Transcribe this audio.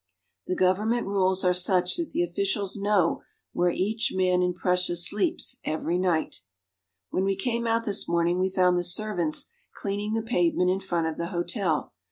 The government rules are such that the officials know where each man in Prussia sleeps every night. When we came out this morning we found the servants cleaning the pavement in front of the hotel.